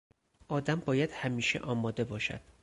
آدم باید همیشه آماده باشد.